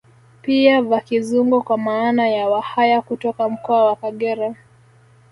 Pia Vakizungo kwa maana ya Wahaya kutoka mkoa wa Kagera